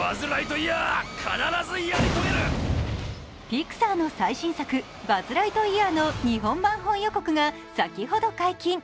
ピクサーの最新作「バズ・ライトイヤー」の日本版本予告が先ほど解禁。